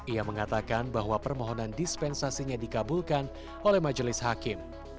ia mengatakan bahwa permohonan dispensasinya dikabulkan oleh majelis hakim